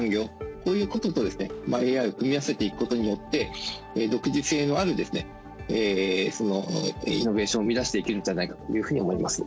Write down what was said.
こういうこととＡＩを組み合わせていくことによって独自性のあるイノベーションを生みだしていけるんじゃないかというふうに思います。